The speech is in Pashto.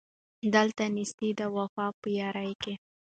دلته نېستي ده وفا په یار کي